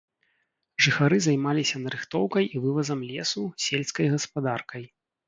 Жыхары займаліся нарыхтоўкай і вывазам лесу, сельскай гаспадаркай.